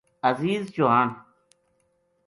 عزیز چوہان